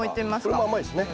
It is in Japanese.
これも甘いですね